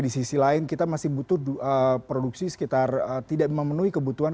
di sisi lain kita masih butuh produksi sekitar tidak memenuhi kebutuhan